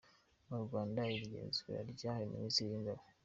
Mu Rwanda iri genzura ryahawe Ministeri y’Ingabo.